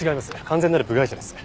完全なる部外者です。